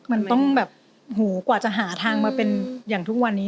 มันต้องแบบหูกว่าจะหาทางมาเป็นอย่างทุกวันนี้